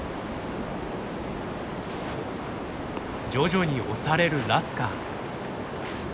徐々に押されるラスカー。